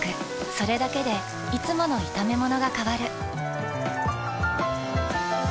それだけでいつもの炒めものが変わる。